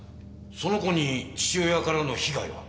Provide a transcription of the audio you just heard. その子に父親からの被害は？